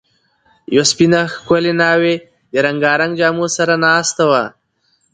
یوه سپینه، ښکلې ناوې د رنګارنګ جامو سره ناسته وه.